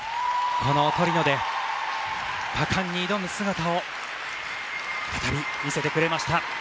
このトリノで果敢に挑む姿を再び見せてくれました。